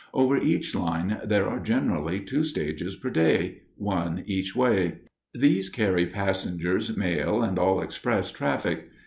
Over each line there are generally two stages per day, one each way. These carry passengers, mail, and all express traffic.